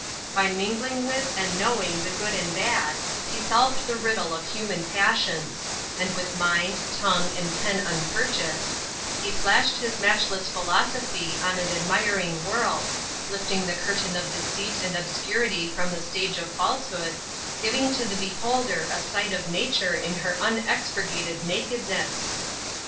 By mingling with and knowing the good and bad, he solved the riddle of human passions, and with mind, tongue and pen unpurchased, he flashed his matchless philosophy on an admiring world, lifting the curtain of deceit and obscurity from the stage of falsehood, giving to the beholder a sight of Nature in her unexpurgated nakedness!